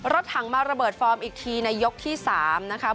รถถังมาระเบิดฟอร์มอีกทีในยกที่๓นะคะ